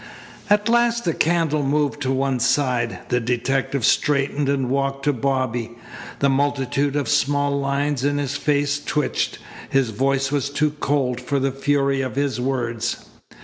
At last the candle moved to one side. The detective straightened and walked to Bobby. The multitude of small lines in his face twitched. His voice was too cold for the fury of his words.